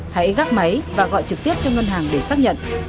hãy gác máy và gọi trực tiếp cho ngân hàng để xác nhận